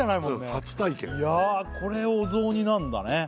初体験いやこれお雑煮なんだね